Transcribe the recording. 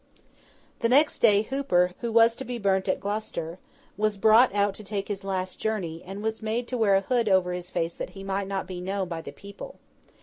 The next day, Hooper, who was to be burnt at Gloucester, was brought out to take his last journey, and was made to wear a hood over his face that he might not be known by the people.